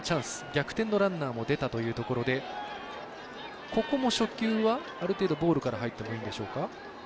逆転のランナーも出たというところでここも初球はある程度ボールから入ったほうがいいんでしょうか。